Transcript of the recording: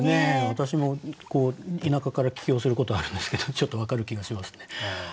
私も田舎から帰京することあるんですけどちょっと分かる気がしますね。